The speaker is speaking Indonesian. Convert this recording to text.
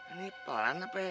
ini pelan apa ya